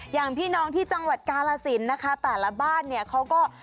อย่างพี่น้องที่จังหวัดกาลาศิลป์นะคะแต่ละบ้านเขาก็